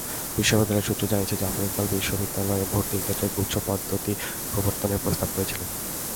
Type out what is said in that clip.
বিশ্ববিদ্যালয় সূত্র জানিয়েছে, জাফর ইকবাল বিশ্ববিদ্যালয়ে ভর্তির ক্ষেত্রে গুচ্ছ পদ্ধতি প্রবর্তনের প্রস্তাব করেছিলেন।